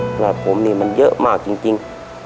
แหละผมนี่มันเยอะมากจริง